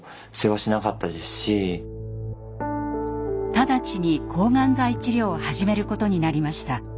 直ちに抗がん剤治療を始めることになりました。